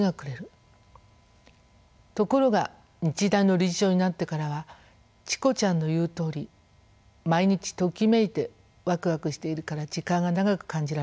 ところが日大の理事長になってからはチコちゃんの言うとおり毎日ときめいてわくわくしているから時間が長く感じられます。